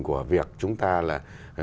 của việc chúng ta là